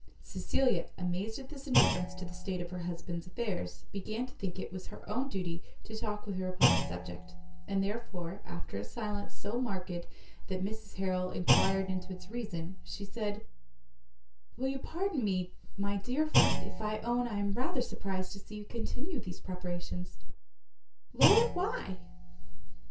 Cecilia, amazed at this indifference to the state of her husband's affairs, began to think it was her own duty to talk with her upon the subject: and therefore, after a silence so marked that Mrs Harrel enquired into its reason, she said, "Will you pardon me, my dear friend, if I own I am rather surprized to see you continue these preparations?" "Lord, why?"